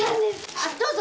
あっどうぞ。